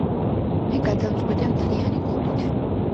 მე გადავწყვიტე მთლიანი გულით